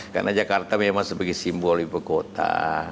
karena jakarta memang sebagai simbol ibu kota